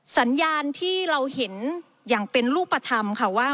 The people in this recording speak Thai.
สัญญาณที่เราเห็นอย่างเป็นรูปธรรมค่ะว่า